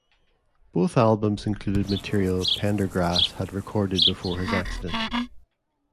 Both albums included material Pendergrass had recorded before his accident.